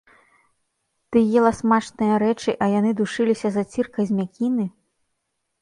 Ты ела смачныя рэчы, а яны душыліся заціркай з мякіны?